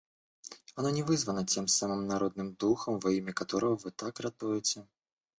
Оно не вызвано тем самым народным духом, во имя которого вы так ратуете?